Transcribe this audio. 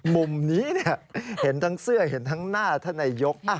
มุมนี้เห็นทั้งเสื้อเห็นทั้งหน้าท่านนายก